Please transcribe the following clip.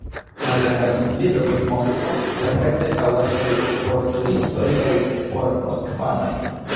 Malgranda gvidlibro pri Moskvo perfekte taŭgas kaj por turistoj kaj por moskvanoj.